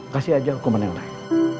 kasih aja hukuman yang lain